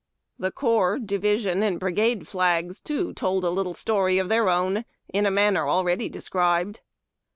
. The corps, division, and brigade flags, too, told a little story of their own, in a manner already described.